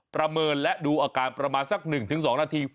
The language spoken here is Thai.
ประเมินและดูอาการประมาณสัก๑๒นาที